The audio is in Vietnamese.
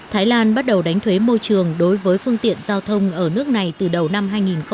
thái lan bắt đầu đánh thuế môi trường đối với phương tiện giao thông ở nước này từ đầu năm hai nghìn hai mươi